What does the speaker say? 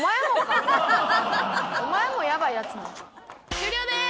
終了です！